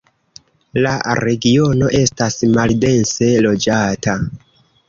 La regiono estas maldense loĝata.